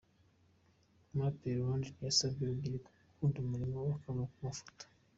Umuraperi Landry yasabye urubyiruko gukunda umurimo, bakava mu mafoto.